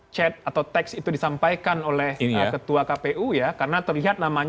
chat atau teks itu disampaikan oleh ketua kpu ya karena terlihat nama